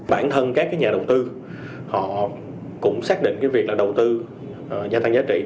bản thân các nhà đầu tư họ cũng xác định việc đầu tư gia tăng giá trị